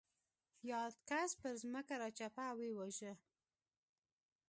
یاد کس پر ځمکه راچپه او ویې واژه.